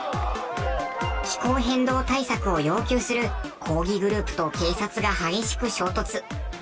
気候変動対策を要求する抗議グループと警察が激しく衝突。